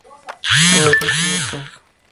Todas son cubiertas.